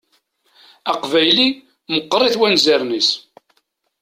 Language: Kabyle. Aqbayli meqqeṛ-it wanzaren-is.